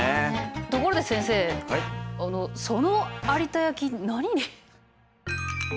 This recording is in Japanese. ところで先生あのその有田焼何入れる？